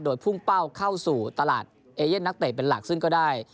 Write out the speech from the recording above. โดยพุ่งเป้าเข้าสู่ตลาดเอเย่นนักเตะเป็นหลักซึ่งก็ได้